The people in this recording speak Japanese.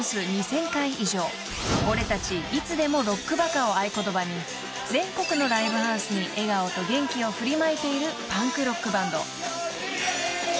［「俺達いつでもロックバカ」を合言葉に全国のライブハウスに笑顔と元気を振りまいているパンクロックバンド］